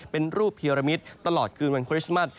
เป็นรูปเพียรมิตตลอดคืนวันคริสต์มัส